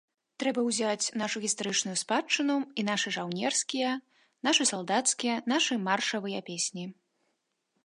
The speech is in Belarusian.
Трэба ўзяць нашу гістарычную спадчыну і нашы жаўнерскія, нашы салдацкія, нашы маршавыя песні.